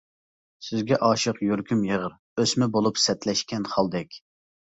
سىزگە ئاشىق يۈرىكىم يېغىر، ئۆسمە بولۇپ سەتلەشكەن خالدەك.